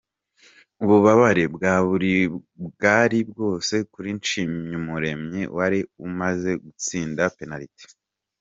Ububabare bwari bwose kuri Nshimyumuremyi wari umaze gutsinda penaliti.